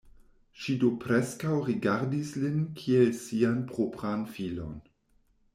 Ŝi do preskaŭ rigardis lin kiel sian propran filon.